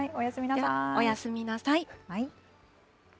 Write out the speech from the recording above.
おやすみなさい。